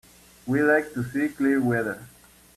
We like to see clear weather.